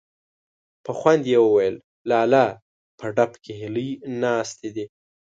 په خوند يې وويل: لالا! په ډب کې هيلۍ ناستې دي.